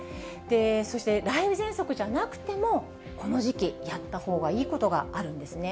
そして雷雨ぜんそくじゃなくても、この時期やったほうがいいことがあるんですね。